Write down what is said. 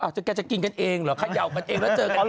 แกจะกินกันเองเหรอเขย่ากันเองแล้วเจอกันเอง